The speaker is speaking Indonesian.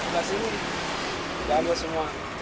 dari sini ke sana ke sini